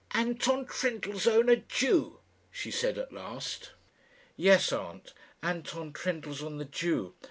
"Anton Trendellsohn a Jew," she said, at last. "Yes, aunt; Anton Trendellsohn, the Jew.